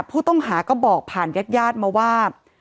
ผู้ต้องหาก็บอกผ่านญาติญาติมาว่า